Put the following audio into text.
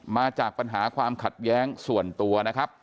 มาจากปัญหาความขัดแย้งส่วนตัวนะครับ